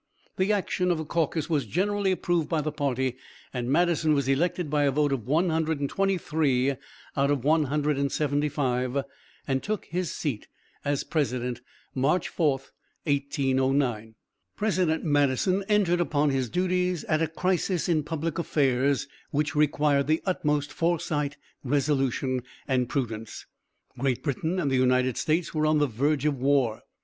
The action of the caucus was generally approved by the party, and Madison was elected by a vote of 123 out of 175, and took his seat as president, March 4, 1809. President Madison entered upon his duties at a crisis in public affairs which required the utmost foresight, resolution and prudence. Great Britain and the United States were on the verge of war.